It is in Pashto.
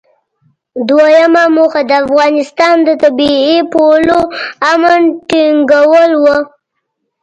دویمه موخه د افغانستان د طبیعي پولو امن ټینګول و.